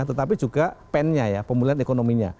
tetapi juga pennya ya pemulihan ekonominya